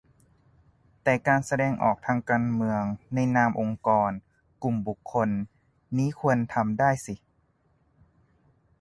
แต่การแสดงออกทางการเมืองในนามองค์กร-กลุ่มบุคคลนี่ควรทำได้สิ